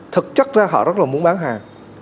thực chất ra họ rất là muốn bán hàng